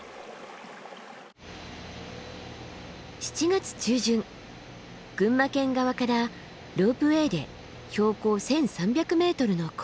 ７月中旬群馬県側からロープウエーで標高１，３００ｍの高原へ。